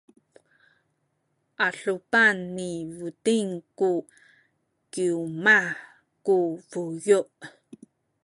a adupan ni Buting tu kiwmah ku buyu’.